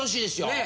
ねえ。